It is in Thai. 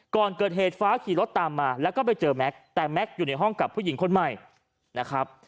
ก่อนเกิดเหตุฟ้าขี่รถตามมาแล้วก็ไปเจอแม็กซ์แต่แม็กซ์อยู่ในห้องกับผู้หญิงคนใหม่นะครับ